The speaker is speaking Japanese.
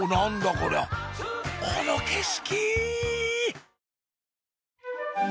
こりゃこの景色！